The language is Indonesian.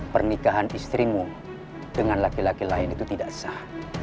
pernikahan istrimu dengan laki laki lain itu tidak sah